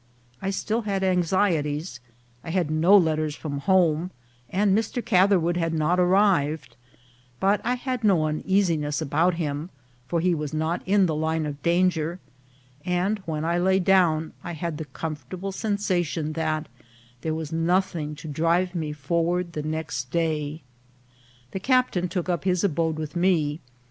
I still had anxieties ; I had no letters from home, and Mr. Catherwood had not arrived ; but I had no uneasiness about him, for he was not in the line of danger ; and when I lay down I had the comfortable sensation that there was nothing to drive me forward the next day. The captain took up his abode with me.